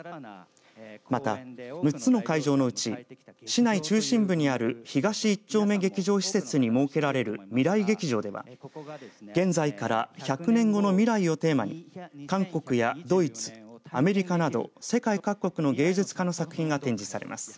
また、６つの会場のうち市内中心部にある東１丁目劇場施設に設けられる未来劇場では現在から１００年後の未来をテーマに韓国やドイツ、アメリカなど世界各国の芸術家の作品が展示されます。